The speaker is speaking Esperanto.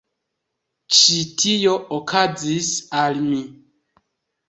Ĉi tio okazis al mi.